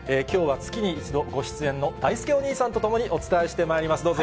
きょうは月に１度ご出演のだいすけお兄さんと共にお伝えしてまいります。